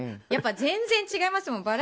やっぱり全然違いますもん。